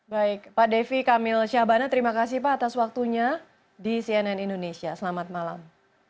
baik pak devi kamil syabana terima kasih pak atas waktunya di cnn indonesia selamat malam